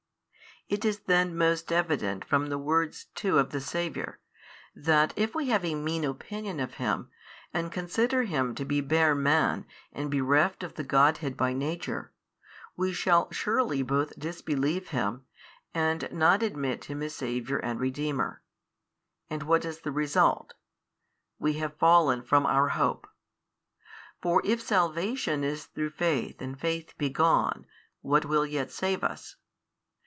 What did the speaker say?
It is then most evident from the words too of the Saviour, |601 that if we have a mean opinion of Him and consider Him to be bare Man and bereft of the Godhead by Nature, we shall surely both disbelieve Him and not admit Him as Saviour and Redeemer. And what is the result? we have fallen from our hope. For if salvation is through faith and faith be gone, what will yet save us?